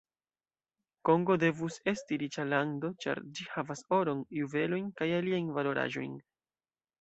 Kongo devus esti riĉa lando, ĉar ĝi havas oron, juvelojn kaj aliajn valoraĵojn.